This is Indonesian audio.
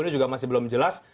ini juga masih belum jelas